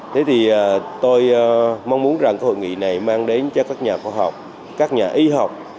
thế thì tôi mong muốn rằng cái hội nghị này mang đến cho các nhà khoa học các nhà y học